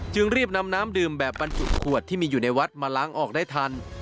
รีบนำน้ำดื่มแบบบรรจุขวดที่มีอยู่ในวัดมาล้างออกได้ทัน